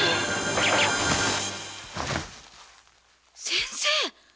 先生！？